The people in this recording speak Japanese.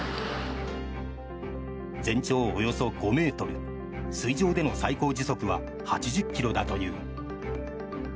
全長およそ５ｍ水上での最高時速は８０ｋｍだという。